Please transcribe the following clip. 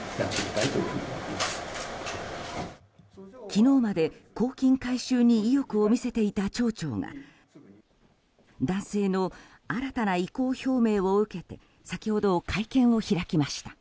昨日まで公金回収に意欲を見せていた町長が男性の新たな意向表明を受けて先ほど会見を開きました。